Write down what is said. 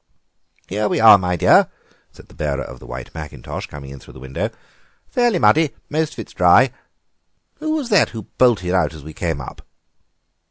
"Here we are, my dear," said the bearer of the white mackintosh, coming in through the window; "fairly muddy, but most of it's dry. Who was that who bolted out as we came up?"